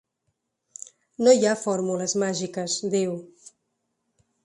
No hi ha fórmules màgiques, diu.